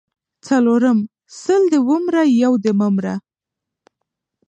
څلرم:سل دي ومره یو دي مه مره